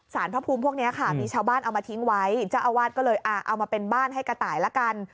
พระภูมิพวกนี้ค่ะมีชาวบ้านเอามาทิ้งไว้เจ้าอาวาสก็เลยเอามาเป็นบ้านให้กระต่ายละกัน